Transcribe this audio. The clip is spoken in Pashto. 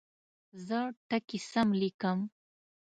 زه ټکي سم لیکم.